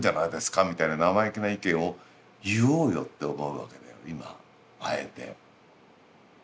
みたいな生意気な意見を言おうよって思うわけだよ今あえて。